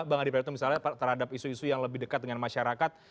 bang adi praetno misalnya terhadap isu isu yang lebih dekat dengan masyarakat